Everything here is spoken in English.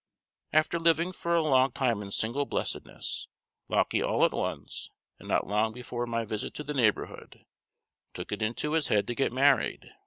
After living for a long time in single blessedness, Lauckie all at once, and not long before my visit to the neighborhood, took it into his head to get married.